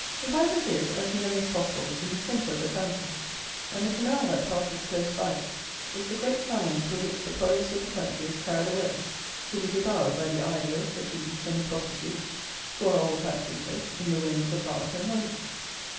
Devizes is, as nearly as possible, in the centre of the county, and the canal that passes close by it is the great channel through which the produce of the country is carried away to be devoured by the idlers, the thieves, and the prostitutes, who are all tax eaters, in the Wens of Bath and London.